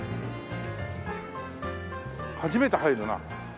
初めて入るな。